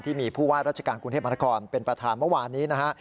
ที่มีผู้ว่าราชการกรุงเทพมหานครเป็นประธานเมื่อวานนี้นะฮะ